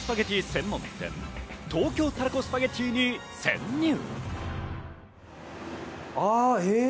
専門店の東京たらこスパゲティに潜入。